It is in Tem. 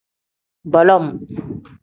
Bolom.